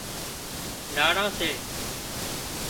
ناڙان سي